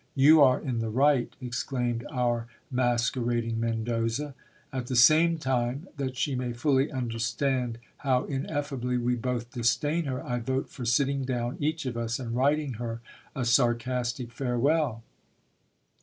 You are in the right, exclaimed our masquerading Mendoza. At the same time, that she may fully understand how ineffably we both disdain her, I vote for sitting down, each of us, and writing her a sarcastic farewell.